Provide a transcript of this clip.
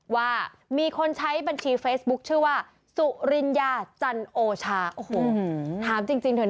ว่ามีคนใช้บัญชีเฟซบุ๊กชื่อว่าสุริญาจันโอชา